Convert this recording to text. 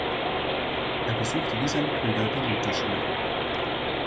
Er besuchte wie seine Brüder die Lutherschule.